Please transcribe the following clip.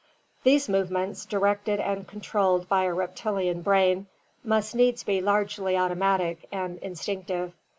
These movements, directed and controlled by a reptilian brain, must needs be largely automatic and instinctive.